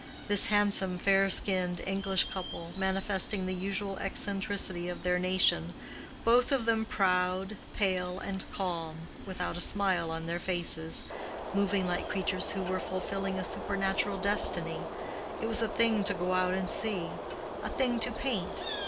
This handsome, fair skinned English couple, manifesting the usual eccentricity of their nation, both of them proud, pale, and calm, without a smile on their faces, moving like creatures who were fulfilling a supernatural destiny—it was a thing to go out and see, a thing to paint.